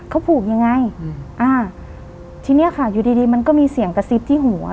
เขาผูกยังไงอืมอ่าทีเนี้ยค่ะอยู่ดีดีมันก็มีเสียงกระซิบที่หัว